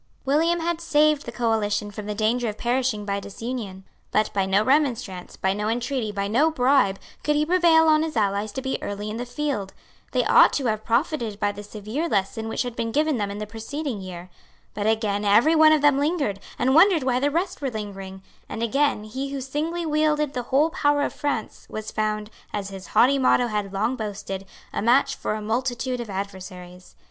William had saved the coalition from the danger of perishing by disunion. But by no remonstrance, by no entreaty, by no bribe, could he prevail on his allies to be early in the field. They ought to have profited by the severe lesson which had been given them in the preceding year. But again every one of them lingered, and wondered why the rest were lingering; and again he who singly wielded the whole power of France was found, as his haughty motto had long boasted, a match for a multitude of adversaries.